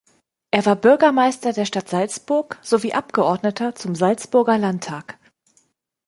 Er war Bürgermeister der Stadt Salzburg sowie Abgeordneter zum Salzburger Landtag.